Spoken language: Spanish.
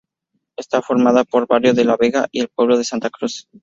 Está formado por el barrio de La Vega y el pueblo de Santa Cruz.